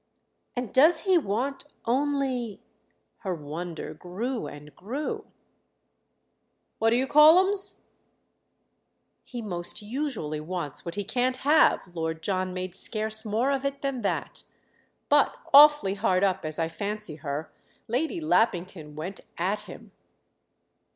"And does he want only"—her wonder grew and grew— "What do you call 'ems'?" "He most usually wants what he can't have." Lord John made scarce more of it than that. "But, awfully hard up as I fancy her, Lady Lappington went at him."